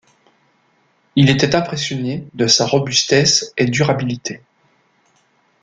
Il était impressionné de sa robustesse et durabilité.